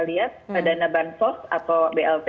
lihat dana bansos atau blt